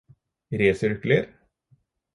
resirkuler